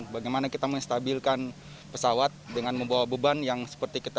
bagaimana kita menstabilkan pesawat dengan membawa beban yang seperti kita